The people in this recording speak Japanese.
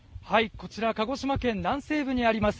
こちら鹿児島県南西部にあります